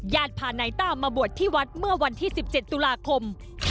พานายต้ามาบวชที่วัดเมื่อวันที่๑๗ตุลาคม